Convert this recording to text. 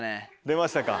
出ましたか。